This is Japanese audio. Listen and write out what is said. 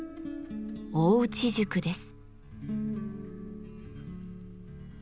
大内宿です。